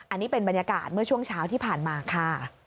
อันนี้เป็นบรรยากาศเมื่อช่วงเช้าที่ผ่านมาค่ะ